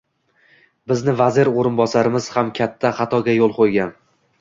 Bizni Vazir oʻrinbosarimiz ham katta xatoga yoʻl qoʻygan.